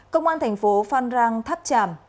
công an thành phố phan rang tháp tràm